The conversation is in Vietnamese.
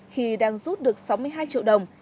khi đang rút được sáu mươi hai triệu đồng